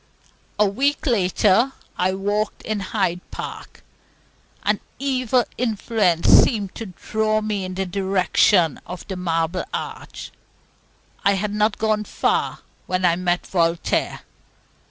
A week later, I walked in Hyde Park. An evil influence seemed to draw me in the direction of the Marble Arch. I had not gone far, when I met Voltaire.